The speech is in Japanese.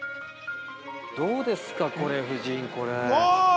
どうですか、夫人、これ。